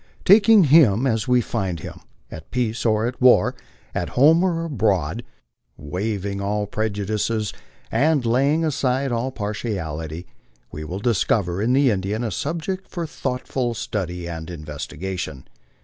Taking him as we find him, at peace or at war, at home or abroad, waiving all prejudices, and laying aside all partiality, we will discover in the Indian a subject for thoughtful study and investigation.